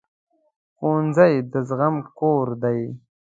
ښوونځی د زغم کور دی